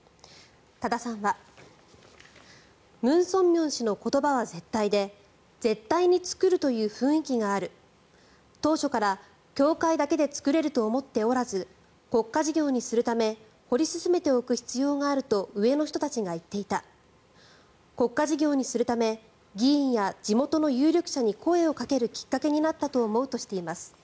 多田さんはムン・ソンミョン氏の言葉は絶対で絶対に造るという雰囲気がある当初から教会だけで造れると思っておらず国家事業にするため掘り進めておく必要があると上の人たちが言っていた国家事業にするため議員や地元の有力者に声をかけるきっかけになったと思うとしています。